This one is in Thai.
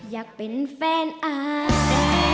อยากเป็นแฟนอาย